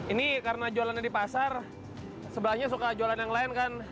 ini karena jualannya di pasar sebelahnya suka jualan yang lain kan